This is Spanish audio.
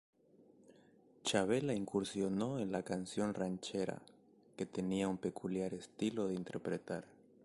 Chavela incursionó en la canción ranchera, que tenía un peculiar estilo de interpretar.